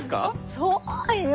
そうよ！